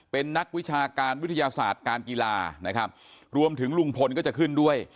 เป็นนักวิชาการวิทยาศาสตร์การกีฬานะครับรวมถึงลุงพลก็จะขึ้นด้วย